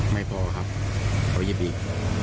ไม่พอครับเขาหยิบอีก